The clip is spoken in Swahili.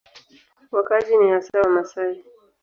Wakazi ni hasa Wamasai.